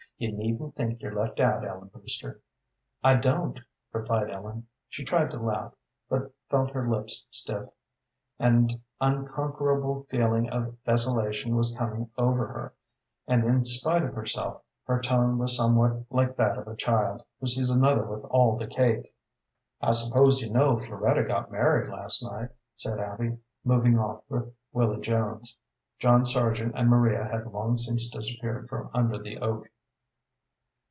You needn't think you're left out, Ellen Brewster." "I don't," replied Ellen. She tried to laugh, but she felt her lips stiff. And unconquerable feeling of desolation was coming over her, and in spite of herself her tone was somewhat like that of a child who sees another with all the cake. "I suppose you know Floretta got married last night," said Abby, moving off with Willy Jones. John Sargent and Maria had long since disappeared from under the oak.